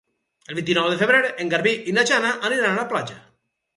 El vint-i-nou de febrer en Garbí i na Jana aniran a la platja.